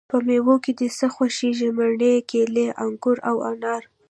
په میوه کی د څه خوښیږی؟ مڼې، کیلې، انګور او انار